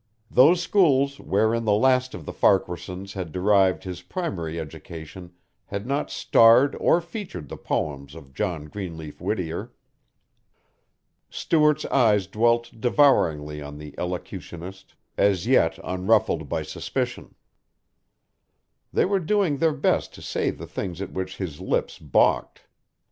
Those schools wherein the last of the Farquaharsons had derived his primary education had not starred or featured the poems of John Greenleaf Whittier. Stuart's eyes dwelt devouringly on the elocutionist as yet unruffled by suspicion. They were doing their best to say the things at which his lips balked.